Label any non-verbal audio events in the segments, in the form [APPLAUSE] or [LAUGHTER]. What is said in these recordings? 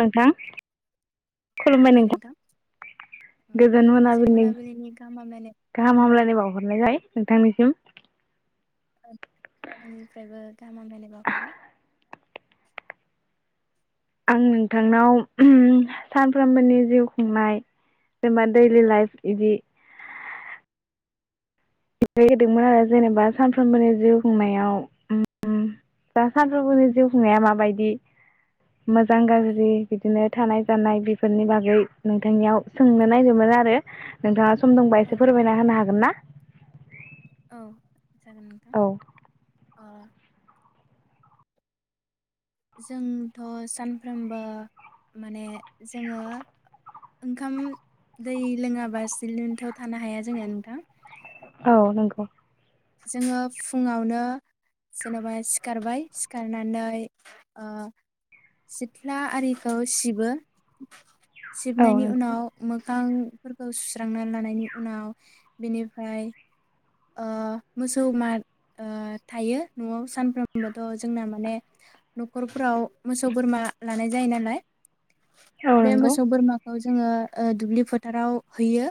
नोंथां खुलुमबाय नोंथां औ गोजोन मोनााबनि मोनाबिलिनि गाहाम हामलायनाय गाहाम हामलायनाय बावहरनाय जाबाय नोंथांनिसिम आनिफ्रायबो गाहाम हामलायनाय बावहरबाय आं नोंथांनाव सानफ्रोमबोनि जिउ खुंनाय जेनेबा दैलि लाइफ इदि [UNINTELLIGIBLE] आरो जेनेबा सानफ्रोमबोनि जिउ खुंनायाव उम दा सानफ्रोमबोनि जिउ खुंनाया माबायदि मोजां गाज्रि बिदिनो थानाय जानाय बेफोरनि बागै नोंथांनियाव सोंनो नायगिरदों आरो नोंथाङा स सम दंबा औ एसे नोंथां फोरमायना होनो हागोन ना? औ जागोन नोंथां। औ अ जोंथ' सानफ्रोमबो माने जोङो ओंखाम दै लोङाबा सिनोथ थानो हाया जोङो नोंथां। औ नंगौ। जोङो फुङावनो जेनबा सिखारबाय सिखारनानै ओ सिथ्ला आरिखौ सिबो। औ सिबनायनि नंगौ उनाव मोग खांफोरखौ सुस्रांना लानायनि उनाव बेनिफ्राय ओ मोसौ मा ओ थायो न'आव सानफ्रोमबोथ जोंना माने न'खरफ्राव मोसौ बोरमा लानाय जायो नालाय औ बे नंगौ मोसौ बोरमा औ जोङो ओ दुब्लि फोथाराव हैयो।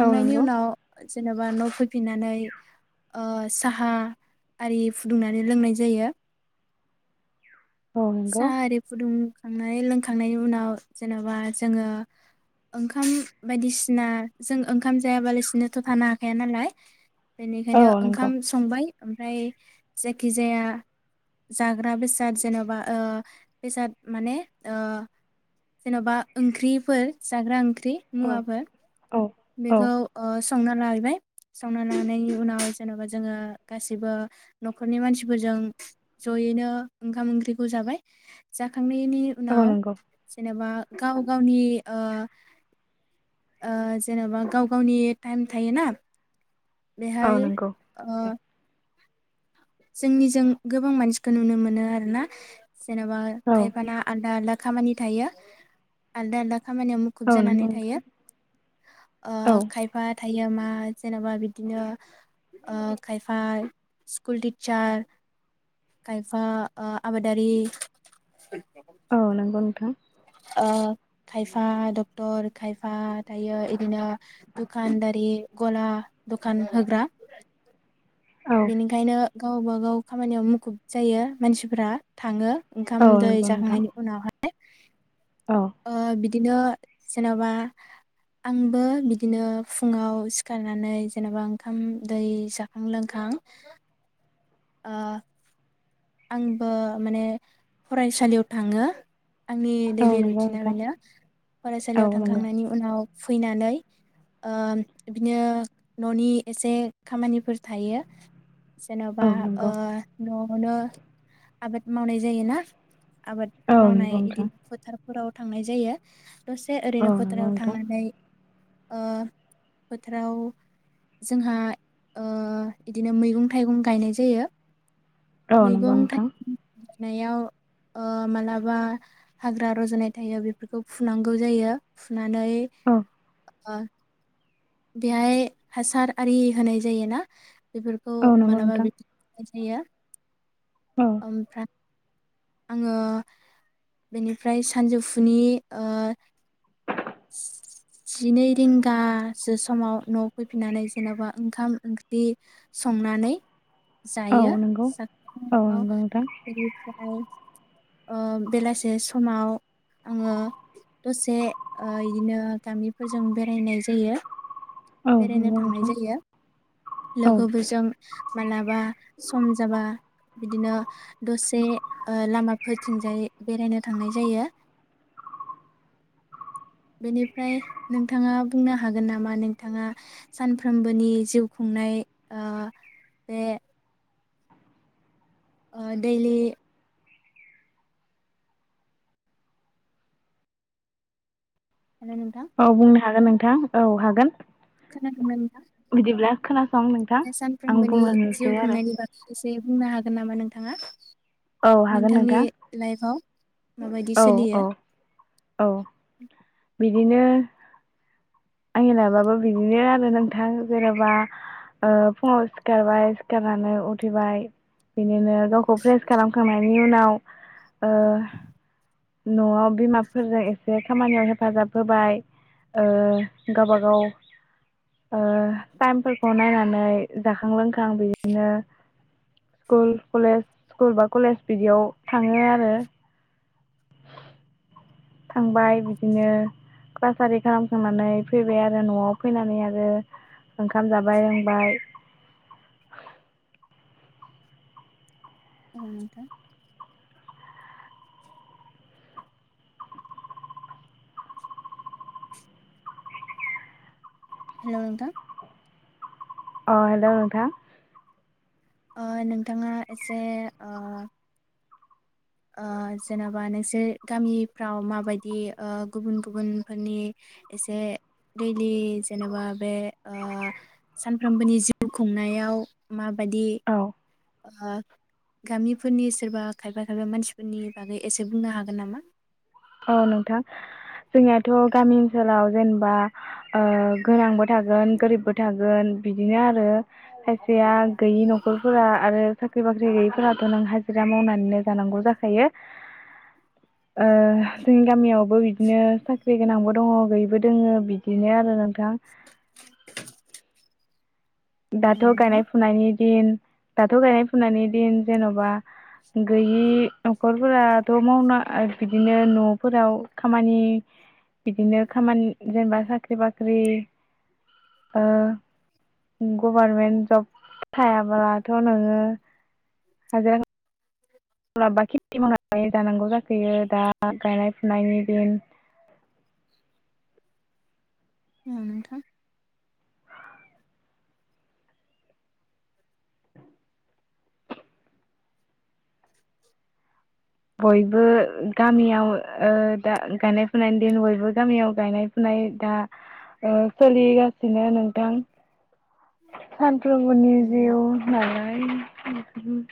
औ नंगौ उनाव जेनबा नब फैफिननानै ओ साहा आरि फुदुंनानै लोंनाय जायो। औ सा नंगौ आरि फुदुं जाखांनानै लोंखांनायनि उनाव जेनबा जोङो ओंखाम बायदिसिना जों ओंखाम जायाबालासिनोथ थानो हाखाया नालाय। औ बेनिखायनो नंगौ ओंखाम संबाय। ओमफ्राय जायखिजाया जाग्रा बेसाद जेनबा ओ बेसाद माने ओ जेन'बा ओंख्रिफोर जाग्रा ओंख ख्रि औ मुवाबो औ औ बेखौ ओस संना लाहैबाय संना लानायनि उनाव जेनबा जोङो गासिबो न'खरनि मानसिफोरजों जयैनो ओंखाम ओंख्रिखौ जाबाय जा खांनायनि औ उनाव नंगौ जेनेबा गाव गावनि ओ ओ जेनेबा गाव गावनि टाइम थायोना औ बेहाय नंगौ ओ नोंथां जोंनिजों गोबां मानसिखौ नुनो मोनो आरोना? जेनेबा औ खायफाना आलदा आलदा खामानि थायो आलदा आलदा खामानियाव मुखुब औ जानानै नंगौ थायो नोंथां ओ औ खायफा थायो मा जेनेबा बिदिनो ओ खायफा स्कुल टि सार खायफा ओ आबादारि औ नोंगौ नोंथां ओ खायफा डक्टर खायफा थायो इदिनो दुखानदारि गला दखान होग्रा औ बेनिखायनो गावबा-गाव खामानियाव मुखुब जायो मानसिफोरा थाङो। ओंखाम औ दै नंगौ नोंथां जाखांनायनि उनावहाय [UNINTELLIGIBLE] औ ओ बि बिदिनो जेन'बा आंबो बिदिनो फुङाव सिखारनानै जेनेबा ओंखाम दै जाखां लों खां ओ आंबो माने फरायसालियाव थाङो। आंनि औ दैलि नंगौ रुटिना नोंथां बेनो फरायसालियाव औ नंगौ थांखांनायनि उनाव फैनानै ओ बिदिनो न'नि एसे खामानिफोर थायो। औ जेन'बा ओ नंगौ न' मोनो आबाद मावनाय जायोना। आबाद औ मावनाय नंगौ नोंथां इदिनो फोथार फोराव थांनाय जायो। दसे औ ओरैनो नंगौ फोथाराव नोंथां थांनानै ओ फोथाराव जोंहा ओ बिदिनो मैगं थाइगं गायनाय जायो। अ‌ नोंगौ नोंथां। नुनायाव ओ मालाबा हाग्रा रजनाय थायो बेफोरखौ फुनांगौ जायो। फुनानै औ ओ बेहाय हासार आरि होनाय जायोना? बेफोरखौ औ नंगौ मालाबा नोंथां बिदि बियो औ ओमफ्राय आङो बेनिफ्राय सानजौफुनि ओ जिनै रिंगा सो समाव न फैफिननानै जेनबा ओंखाम ओंख्रि संनानै, औ जायो नंगौ औ [UNINTELLIGIBLE] नंगौ नोंथां बेनिफ्राय ओ बेलासे समाव आङो दसे, ओ इदिनो गामिफोरजों बेरायनाय जायो। औ बेरायनो नंगौ थांनाय नोंथां जायो। औ लोगोफोरजों मालाबा सम जाबा बिदिनो दसे ओ लामाफोरथिंजाय बेरायनो थांनाय जायो। बेनिफ्राय नोंथाङा बुंनो हागोन नामा? नोंथाङा सानफ्रोमबोनि जिउ खुंनाय ओ माने ओ दोयलि [UNINTELLIGIBLE] नोंथां बुंनो हागोन नोंथां औ हागोन। खोनादोंना। खोनादों। ओं नोंथां बे आं बुंलायनोसै आरो। गै बुंनो हागोन नामा नोंथाङा। औ हागोन नोंथांनि नोंथां लाइफआव। माबायदि औ सोलियो औ औ। बिदिनो। आंनि लाइाबाबो बिदिनो आरो नोंथां जेनबा ओ फुङाव सिखारबाय सिखारनानै उथैबाय बिदिनो गावखौ प्र्रेस खालामखांनायनि उनाव ओ नआव बिमाफोरजों एसे खामानियाव हेफाजाब होबाय ओ। गावबागाव ओ टाइमफोरखौ नायनानै जाखां लोंखां बिदिनो स्कुल कलेज स्कुल बा कलेज बिदियाव थाङो आरो। [INAUDIBLE] थांबाय बिदिनो क्लास आरि खालामखांनानै फैबाय आरो नआव फैनानै आरो ओंखाम जाबाय लोंबाय। औ [UNINTELLIGIBLE] हेल' नोंथां! अ हेल' नोंथां। नोंथाङा एसे। ओ जेनेबा नोंसोर गामिफ्राव माबायदिओ गुबुन गुबुनफोरनि एसे दैलि जेनेबा बे सानफ्रोमबोनि जिउ खुंनायाव मा। बायदि। औ ओ गामिफोरनि सोरबा खायफा खायबा मानसिफोरनि बागै एसे बुंनो हागोन नामा। औ नोंथां जोंनिथ' गामि ओनसोलाव जेनेबा ओ गोनांबो थागोन गोरिबबो थागोन बिदिनो आरो। खायसेया गैयि न'खरफोरा आरो। साख्रि बाख्रि गैयैफोराथ' नों हाजिरा मावनानैनो जानांगौ जाखायो ओ जोंनि गामियावबो बिदिनो साख्रि गोनांबो दङ गैयिबो दङो बिदिनो आरो नोंथां। दाथ' नोंथां? गायनाय फुनायनि दिन दाथ' गायनाय फुनायनि दिन जेन'बा गैयि न'खरफोराथ' मावना बिदिनो न'फोराव खामानि। बिदिनो खामानि जेनेबा साख्रि बाख्रि। अ। गभारमेन्ट जब थायाब्लाथ' नोङो। [UNINTELLIGIBLE] म्लाबा खेथि मावनानै जानांगौ जाखोयो दा गायनाय फुनायनि दिन। ओम नोंथां। बयबो गामियाव ओ दा गायनाय फुनायनि दिन बयबो गामियाव गायनाय फुनाय दा ओ सोलिगासि [UNINTELLIGIBLE] नोंथां सानफ्रबोनि जिउ होननानै। [UNINTELLIGIBLE]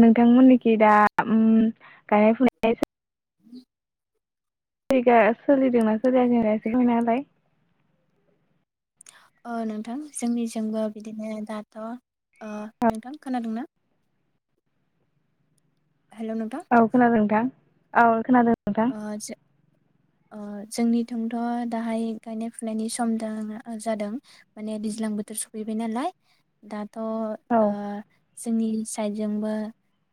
नोंथांमोननिखि दा ओम गायनाय फुनाय सो। [INAUDIBLE] जायगा सोलिदोंना सोलियाखै एसे खोनथालाय। ओ नोंथां जोंनिजोंबो बिदिनो दाथ' ओ ओ नोंथां खोनादोंना। हेल' नोंथां औ खोनादों नोंथां। औ खोनादों। नोंथां ओ ज ओ जोंनिथिंथ' दाहाय गायनाय फुनायनि सम जानाजादों माने दैज्लां बोथोर सफैबाय नालाय दा औ जोंनि साइडजोंबो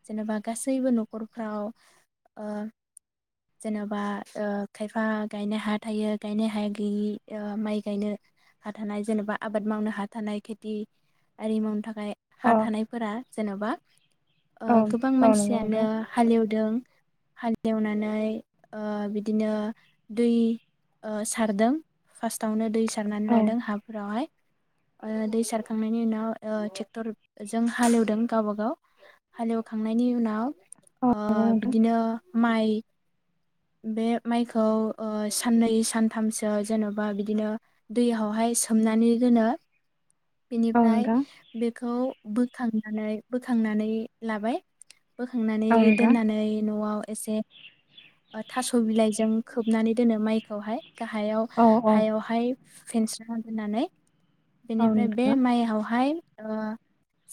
जेनेबा गासैबो न'खरफ्राव ओ जेनेबा ओ खायफा गायनो हा थायो गायनो हाया गैयि ओ माइ गायनो हा थानाय जेनेबा आबाद मावनो हा थानाय खेथि आरि मावनो थाखाय ओमफ्राय अ हा थानायफोरा जेनेबा ओ औ गोबां औ नंगौ नोंथां मानसियानो हालेवदों हालएवनानै [INAUDIBLE] ओ बिदिनो दै ओ सारदों फारस्तावनो दै सार सारनानै औ लादों हाफोरावहाय ओ दै सारखांनायनि उनाव ओ ट्रेक्टरजों हालेवदों गावबाागाव हालेवखांनायनि उनाव औ ओ नंगौ नोंथां बिदिनो माइ बे माइखौ ओ साननै सानथामसो जेन'बा बिदिनो दैयावहाय सोमनानै दोनो औ बेनिफ्राय नोंथां बेखौ बोखांनानै बोखांनानै लाबाय बोखांनानै औ नोंथां दोननानै नआव एसे थास बिलाइजों खोबनानै दोनो माइखौहाय गाहायाव औ औ हायावहाय फेनस्रां दोननानै औ बेनिफ्राय बे नोंथां माइहावहाय अ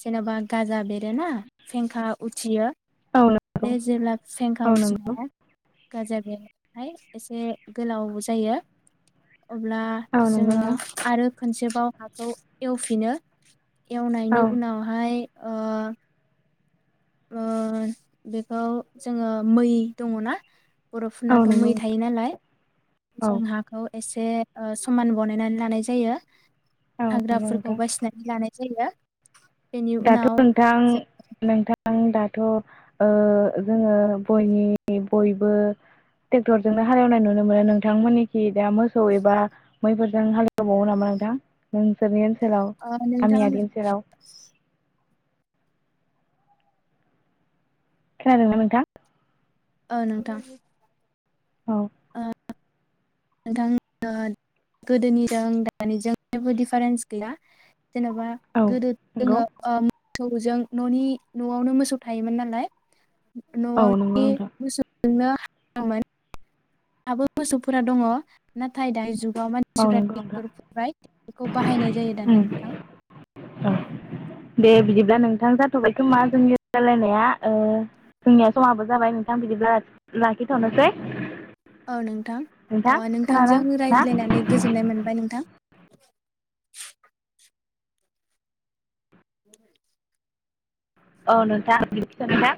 जेनबा गाजा बेरोना फेंखा उथियो औ नंगौ बे जेब्ला फेंखा औ नंगौ उथिनाया गाजा बेहाय एसे गोलाव जायो अब्ला औ नंगौ जोङो नोंथां आरो खनसेबाव हाखौ एवफिनो एवनायनि औ उनावहाय ओ ओ बेखौ जोङो मै दङ ना बरफोरनाथ औ मै नंगौ थायो नालाय औ जों हाखौ एस ए अ समान बनायनानै लानाय जायो औ नंगौ हाग्राफोरखौ नोंथां बासिनानै लानाय जायोना दाथ नोंथां नोंथां आं दाथ ओ जोङो बयनि बयबो ट्रेक्टरजोंनो हालेवनाय नुनो मोनो नोंथांमोननिथि दा मोसौ एबा मैफोरजों हालेवबावो नामा नोंथां नोंसोरनि ओनसोलाव ओ नोंथां गामियारि ओनसोलाव खोनादोंना नोंथां औ नोंथां औ नोंथां ओ गोदोनिजों दानिजों जेबो डिफारेन्स गैया जेनेबा औ गोदो नंगौ जोङो ओ थौजों ननि नआवनो मोसौ थायोमोन नालाय औ नंगौ नआवनि नोंथां मोस नुनो हा मोन दाबो मोसौफोरा दङ नाथाय दायो जुग आव औ मानसिफ्रा नंगौ नोंथां ट्रेक्टरनिफ्राय बेखौ बाहायनाय जायो दानिया नोंथां उम [UNINTELLIGIBLE] दे बिदिब्ला नोंथां जाथबाय खोमा जोंनि राय्लायनाया ओ जोंनिया समाबो जाबाय नोंथां बिदिब्ला लाखिथनोसै औ नोंथां ओ नोंथां खोनादों नोंथांजों ना रायज्लायनानै गोजोननाय मोनबाय नोंथां [INAUDIBLE] [INAUDIBLE] औ नोंथां नोंथां